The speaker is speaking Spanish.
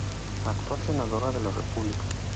Actual Senadora de la República.